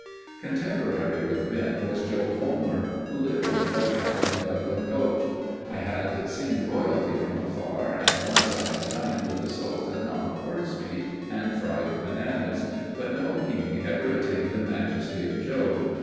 Contemporary with Ben was Joe Volmer, who lived in a dugout in Dublin Gulch. I had seen royalty from afar and once I had dined with a sultan on horsemeat and fried bananas, but no king ever attained the majesty of Joe.